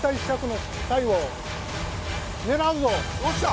よっしゃ！